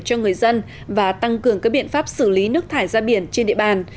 cho người dân và tăng cường các biện pháp xử lý nước thải ra biển trên địa bàn